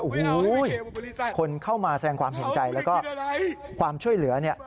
โอ้โหคนเข้ามาแสดงความเห็นใจแล้วก็ความช่วยเหลือเนี่ย